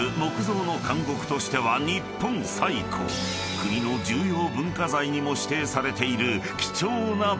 ［国の重要文化財にも指定されている貴重な場所］